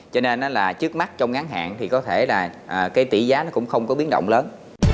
cho nên là trước mắt trong ngắn hạn thì có thể là cái tỷ giá nó cũng không có biến động lớn